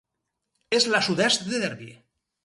És la sud-est de Derby.